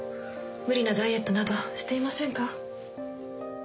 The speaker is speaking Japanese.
無理なダイエットなどしていませんか？